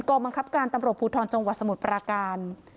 บังคับการตำรวจภูทรจังหวัดสมุทรปราการ